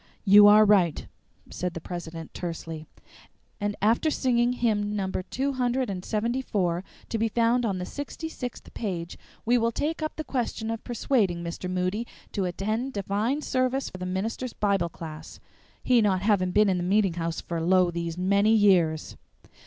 "You are right," said the president tersely; "and after singing hymn number two hundred seventy four, to be found on the sixty sixth page, we will take up the question of persuading Mr. Moody to attend divine service or the minister's Bible class, he not having been in the meeting house for lo! these many years.